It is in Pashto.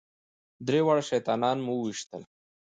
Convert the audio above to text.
درې واړه شیطانان مو وويشتل.